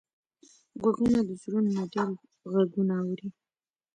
غوږونه د زړونو نه ډېر غږونه اوري